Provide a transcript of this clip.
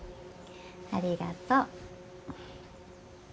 ありがとう。